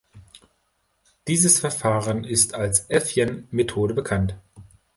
Dieses Verfahren ist als Evjen-Methode bekannt.